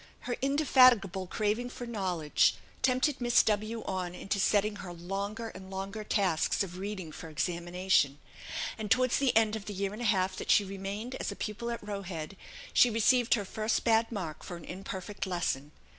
Her indefatigable craving for knowledge tempted Miss W on into setting her longer and longer tasks of reading for examination; and towards the end of the year and a half that she remained as a pupil at Roe Head, she received her first bad mark for an imperfect lesson.